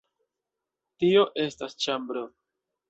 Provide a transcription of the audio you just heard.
Tio estas ĉambro.